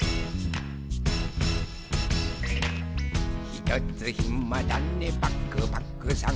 「ひとつひまだねパクパクさん」